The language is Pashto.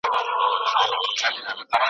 وږی تږی د غار خوله کي غځېدلی ,